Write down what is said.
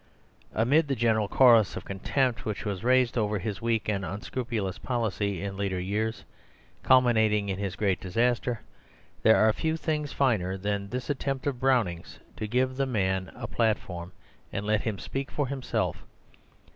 Amid the general chorus of contempt which was raised over his weak and unscrupulous policy in later years, culminating in his great disaster, there are few things finer than this attempt of Browning's to give the man a platform and let him speak for himself.